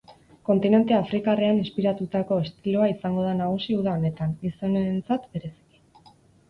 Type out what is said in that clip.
Kontinente afrikarrean inspiratutako estiloa izango da nagusi uda honetan, gizonentzat bereziki.